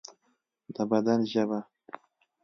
د بدن ژبه